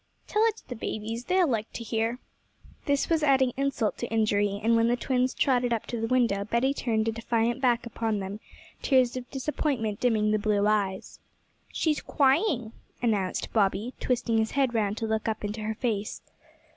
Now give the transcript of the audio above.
'Tell it to the babies; they'll like to hear.' This was adding insult to injury, and when the twins trotted up to the window Betty turned a defiant back upon them, tears of disappointment dimming the blue eyes. 'She's cwying,' announced Bobby, twisting his head round to look up into her face.